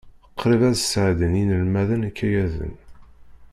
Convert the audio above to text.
Qrib ad sɛeddin yinelmaden ikayaden.